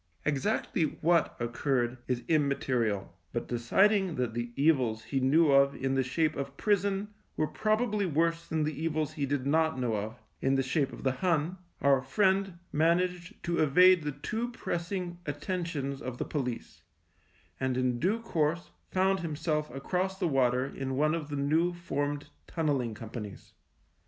Exactly what occurred is im material, but deciding that the evils he knew of in the shape of prison were probably worse than the evils he did not know of, in the shape of the Hun, our friend managed to evade the too pressing attentions of the police, and in due course found himself across the water in one of the new formed Tunnelling Companies.